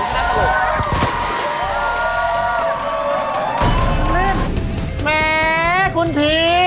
แหมคุณภีร์